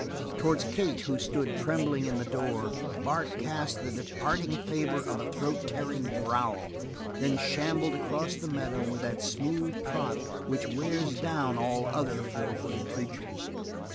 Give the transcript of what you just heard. Towards Kate, who stood trembling in the door, Bart cast the departing favor of a throat tearing growl, and then shambled across the meadow with that smooth trot which wears down all other four footed creatures.